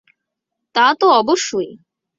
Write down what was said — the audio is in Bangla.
তা তো অবশ্যই।